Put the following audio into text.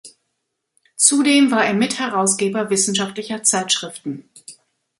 Zudem war er Mitherausgeber wissenschaftlicher Zeitschriften.